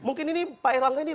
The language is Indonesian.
mungkin ini pak erlangga ini